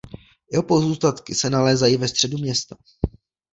Jeho pozůstatky se nalézají ve středu města.